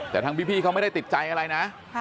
แต่ทางพี่เขาไม่ได้ติดใจอะไรนะ